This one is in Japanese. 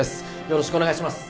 よろしくお願いします